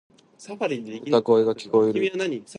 歌声が聞こえる。